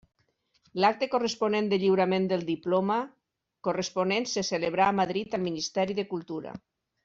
L'acte corresponent de lliurament del diploma corresponent se celebrà a Madrid al Ministeri de Cultura.